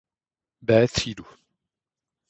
B třídu.